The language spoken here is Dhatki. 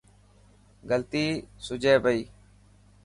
غلطي سڄي پيو.